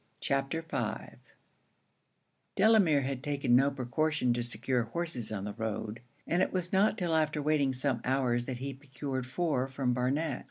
CHAPTER V Delamere had taken no precaution to secure horses on the road; and it was not till after waiting some hours that he procured four from Barnet.